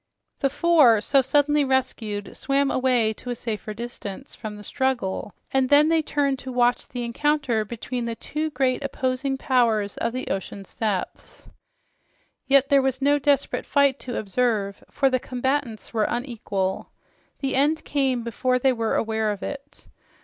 The four, so suddenly rescued, swam away to a safer distance from the struggle, and then they turned to watch the encounter between the two great opposing powers of the ocean's depths. Yet there was no desperate fight to observe, for the combatants were unequal. The end came before they were aware of it.